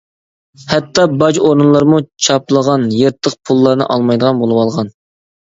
ھەتتا باج ئورۇنلىرىمۇ چاپلىغان، يىرتىق پۇللارنى ئالمايدىغان بولۇۋالغان.